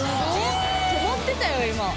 止まってたよ今。